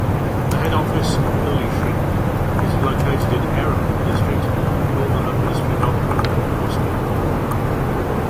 The head office of Ilyushin is located in Aeroport District, Northern Administrative Okrug, Moscow.